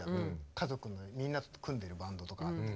家族のみんなと組んでるバンドとかあって。